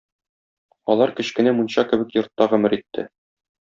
Алар кечкенә мунча кебек йортта гомер итте.